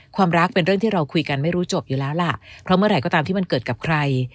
ความรักเป็นเรื่องที่เราคุยกันไม่รู้จบอยู่แล้วล่ะเพราะเมื่อไหร่ก็ตามที่มันเกิดกับใคร